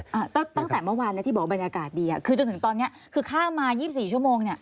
ตั้งแต่เมื่อวานที่บอกว่าบรรยากาศดีจนถึงตอนนี้คือข้างมา๒๔ชั่วโมง